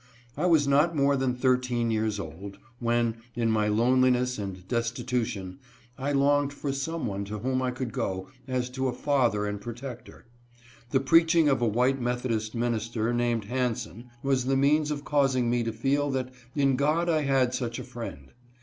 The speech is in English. I was not more than thirteen yearsoTd, when, in my loneliness and desti tution,! longed for some one to whom I could go, as to a father and protector. The preaching of a white Metho dist minister, named Hanson, was the means of causing me to feel that in God I had such a friend.